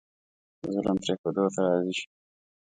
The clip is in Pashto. د ظلم پرېښودو ته راضي شي.